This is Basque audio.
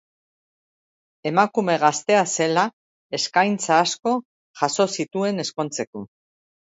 Emakume gaztea zela eskaintza asko jaso zituen ezkontzeko.